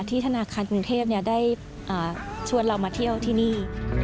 ธนาคารกรุงเทพได้ชวนเรามาเที่ยวที่นี่